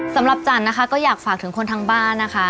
จันนะคะก็อยากฝากถึงคนทางบ้านนะคะ